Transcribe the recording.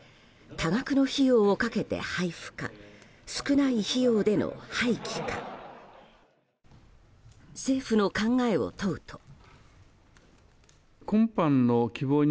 多額の費用をかけて配布か少ない費用での廃棄か政府の考えを問うと。